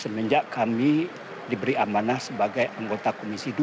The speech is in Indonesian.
semenjak kami diberi amanah sebagai anggota komisi dua